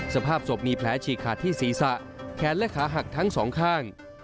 สภาพศพมีแผลฉีกขาดที่ศีรษะแขนและขาหักทั้งสองข้าง